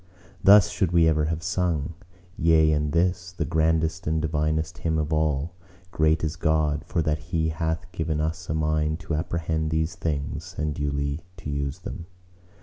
Thus should we ever have sung; yea and this, the grandest and divinest hymn of all:— Great is God, for that He hath given us a mind to apprehend these things, and duly to use them!